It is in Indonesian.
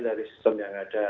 dari sistem yang ada